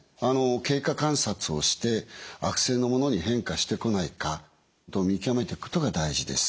経過観察をして悪性のものに変化してこないかと見極めていくことが大事です。